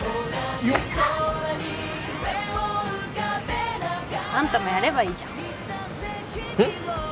よっあんたもやればいいじゃんうん？